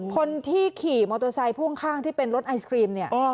คนที่ขี่มอเตอร์ไซค์พ่วงข้างที่เป็นรถไอศครีมเนี่ย